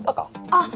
あっ！